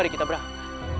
rai kita berangkat